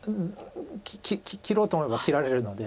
切ろうと思えば切られるので。